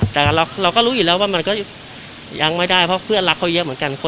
แต่เราก็รู้อยู่แล้วว่ามันก็ยังไม่ได้เพราะเพื่อนรักเขาเยอะเหมือนกัน